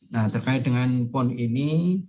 nah terkait dengan pon ini